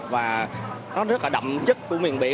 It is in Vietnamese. và nó rất là đậm chất của miền biển